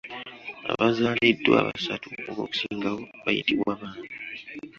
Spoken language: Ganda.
Abazaaliddwa abasatu oba okusingawo bayitibwa baana.